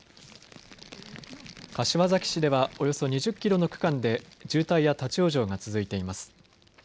柏崎市ではおよそ２０キロの区間で渋滞や立往生が続いています。